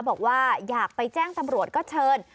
บอกว่าอยากไปแจ้งตำรวจก็เชิญ